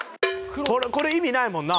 これ意味ないもんな。